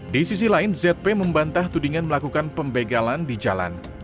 di sisi lain zp membantah tudingan melakukan pembegalan di jalan